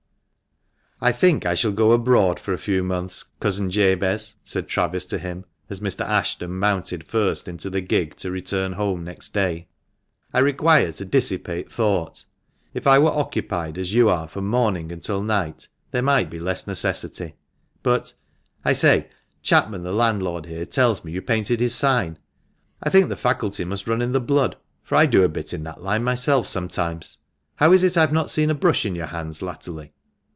" I think I shall go abroad for a few months, Cousin Jabez," said Travis to him, as Mr. Ashton mounted first into the gig to return home next day. " I require to dissipate thought. If I were occupied as you are from morning until night there might be less necessity. But — I say, Chapman the landlord here tells me you painted his sign. I think the faculty must run in the blood, for I do a bit in that line myself sometimes. How is it I have not seen a brush in your hands latterly